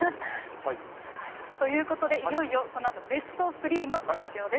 ということで、いよいよこのあと、ベスト３の発表です。